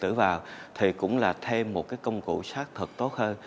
thì cũng là thêm một công cụ sát thật tốt hơn